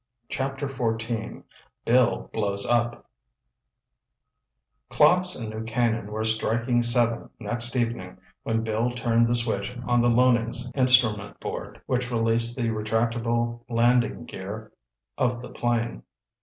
Chapter XIV BILL BLOWS UP Clocks in New Canaan were striking seven next evening when Bill turned the switch on the Loening's instrument board which released the retractable landing gear of the plane.